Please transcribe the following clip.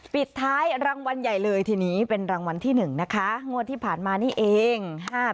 ปิดท้ายรางวัลใหญ่เลยทีนี้เป็นรางวัลที่๑นะคะงวดที่ผ่านมานี่เอง